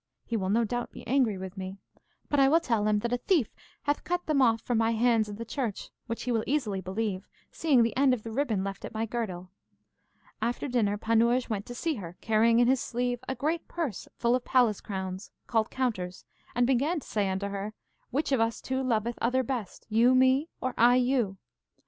He will no doubt be angry with me. But I will tell him that a thief hath cut them off from my hands in the church, which he will easily believe, seeing the end of the ribbon left at my girdle. After dinner Panurge went to see her, carrying in his sleeve a great purse full of palace crowns, called counters, and began to say unto her, Which of us two loveth other best, you me, or I you?